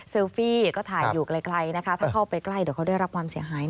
ฟี่ก็ถ่ายอยู่ไกลนะคะถ้าเข้าไปใกล้เดี๋ยวเขาได้รับความเสียหาย